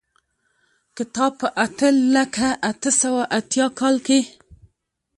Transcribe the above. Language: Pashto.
کتاب په اته لکه اته سوه یو اتیا کال کې.